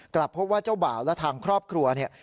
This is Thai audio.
กลับพบว่าเจ้าบ่าวและทางครอบครัวเนี่ย